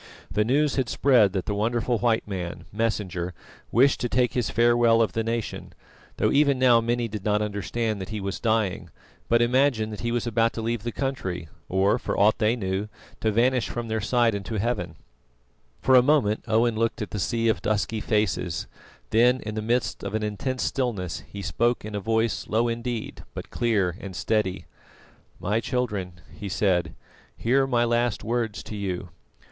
The news had spread that the wonderful white man, Messenger, wished to take his farewell of the nation, though even now many did not understand that he was dying, but imagined that he was about to leave the country, or, for aught they knew, to vanish from their sight into Heaven. For a moment Owen looked at the sea of dusky faces, then in the midst of an intense stillness, he spoke in a voice low indeed but clear and steady: "My children," he said, "hear my last words to you.